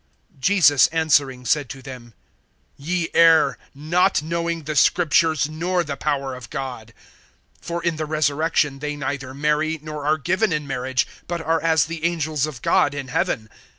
(29)Jesus answering said to them: Ye err, not knowing the Scriptures, nor the power of God. (30)For in the resurrection they neither marry, nor are given in marriage, but are as the angels of God in heaven.